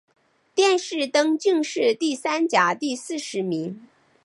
殿试登进士第三甲第四十名。